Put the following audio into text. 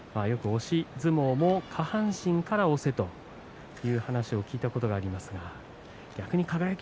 押し相撲も下半身から押せとそういう話を聞いたことがあります。